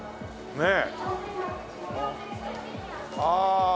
ねえ。